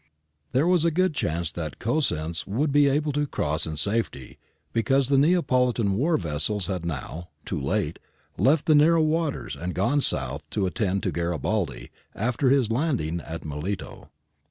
There was a good chance that Cosenz would be able to cross in safety because the Neapolitan war vessels had now, too late, left the narrow waters and gone south to attend to Garibaldi after his landing at Melito.